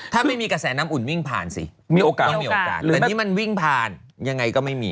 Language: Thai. ถ้าไม่มีกระแสน้ำอุ่นวิ่งผ่านสิมีโอกาสไม่มีโอกาสเลยแต่นี่มันวิ่งผ่านยังไงก็ไม่มี